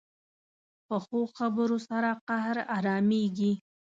پخو خبرو سره قهر ارامېږي